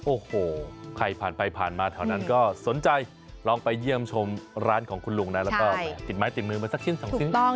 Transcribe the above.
โอ้โหใครผ่านไปผ่านมาแถวนั้นก็สนใจลองไปเยี่ยมชมร้านของคุณลุงนะแล้วก็ติดไม้ติดมือมาสักชิ้นสองชิ้น